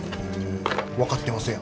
分かってますやん。